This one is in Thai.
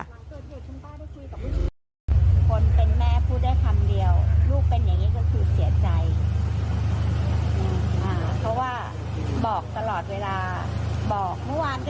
คนเป็นแม่พูดได้คำเดียวลูกเป็นอย่างนี้ก็คือเสียใจ